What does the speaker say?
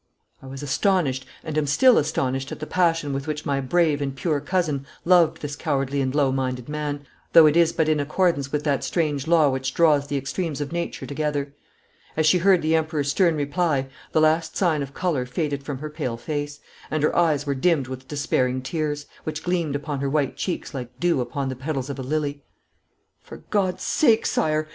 I was astonished and am still astonished at the passion with which my brave and pure cousin loved this cowardly and low minded man, though it is but in accordance with that strange law which draws the extremes of nature together. As she heard the Emperor's stern reply the last sign of colour faded from her pale face, and her eyes were dimmed with despairing tears, which gleamed upon her white cheeks like dew upon the petals of a lily. 'For God's sake, Sire!